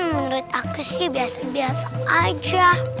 menurut aku sih biasa biasa aja